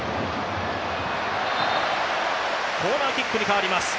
コーナーキックにかわります。